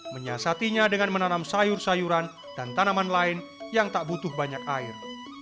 menyiasatinya dengan menanam sayur sayuran dan tanaman lain yang tak butuh banyak air